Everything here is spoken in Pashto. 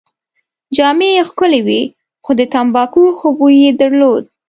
جامې يې ښکلې وې او د تمباکو ښه بوی يې درلود.